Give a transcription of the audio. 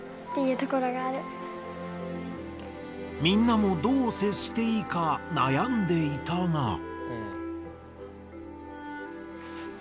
みんなもどうせっしていいかなやんでいたが。